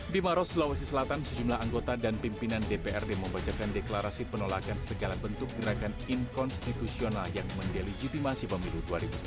di maros sulawesi selatan sejumlah anggota dan pimpinan dprd membacakan deklarasi penolakan segala bentuk gerakan inkonstitusional yang mendelegitimasi pemilu dua ribu sembilan belas